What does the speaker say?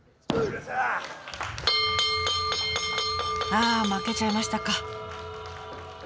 ああ負けちゃいましたか。